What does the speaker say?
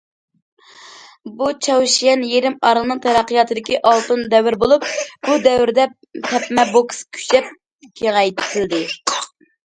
بۇ چاۋشيەن يېرىم ئارىلىنىڭ تەرەققىياتىدىكى ئالتۇن دەۋر بولۇپ، بۇ دەۋردە تەپمە بوكس كۈچەپ كېڭەيتىلدى.